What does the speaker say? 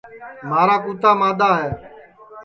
مھارا کُوتا مادؔا ہے